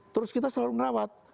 terus kita selalu merawat